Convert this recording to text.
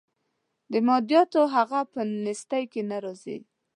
د مادیاتو هغه په نیستۍ کې نه راځي.